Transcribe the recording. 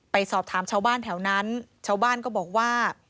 ไปสอบถามชาวบ้านแถวนั้นชาวบ้านก็บอกว่า